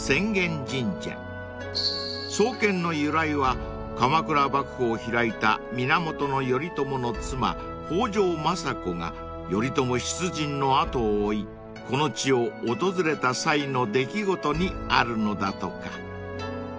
［創建の由来は鎌倉幕府を開いた源頼朝の妻北条政子が頼朝出陣の後を追いこの地を訪れた際の出来事にあるのだとか］